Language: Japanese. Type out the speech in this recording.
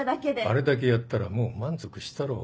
あれだけやったらもう満足したろ？